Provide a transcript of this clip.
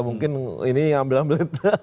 mungkin ini ambil ambil